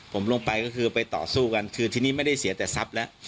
ผมลงไปก็คือไปต่อสู้กันคือทีนี้ไม่ได้เสียแต่ทรัพย์แล้ว